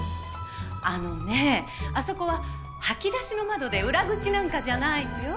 あのねえあそこは掃き出しの窓で裏口なんかじゃないのよ。